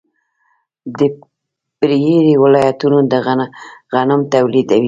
د پریري ولایتونه غنم تولیدوي.